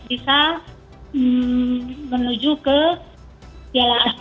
bisa menuju ke piala asia di india